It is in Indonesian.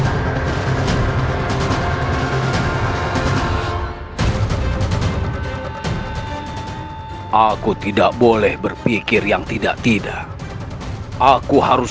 setelah dia melihar forefriara scheint gores